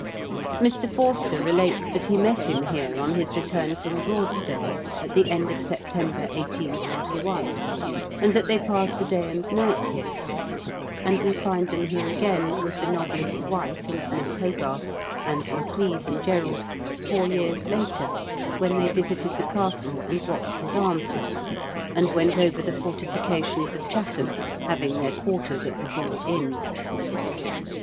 Mr. Forster relates that he met him here on his return from Broadstairs at the end of Sep tember, 1841, and that they passed the day and night here ; and we find them here again, with the novelist's wife and Miss Hogarth, and Maclise and Jerrold, four years later, when they visited the castle and Watts's alms house, and went over the fortifications of U IN KENT WITH CHABLE8 DICKENS. Chatham, having their quarters at The Bull Inn.